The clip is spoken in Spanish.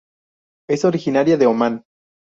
Es originaria de Omán.